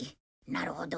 なるほど。